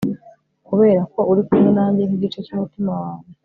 kureba ko uri kumwe nanjye nkigice cyumutima wanjye